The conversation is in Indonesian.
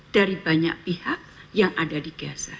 dari banyak pihak yang ada di gaza